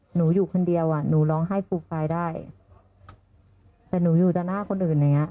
หนูอยู่คนเดียวอ่ะหนูร้องไห้ปูปายได้แต่หนูอยู่แต่หน้าคนอื่นอย่างเงี้